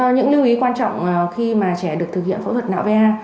những lưu ý quan trọng khi mà trẻ được thực hiện phẫu thuật não va